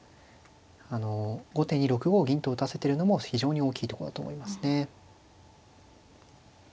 あの後手に６五銀と打たせてるのも非常に大きいとこだと思いますね。